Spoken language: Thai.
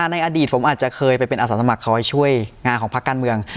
ในอดีตผมอาจจะเคยไปเป็นอาสาสมัครคอยช่วยงานของพักการเมือง